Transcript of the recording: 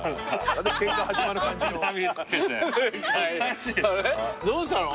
あれどうしたの？